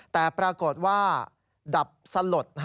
แต่ปรากฏว่าดับสลด